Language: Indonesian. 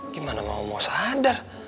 gimana mama mau sadar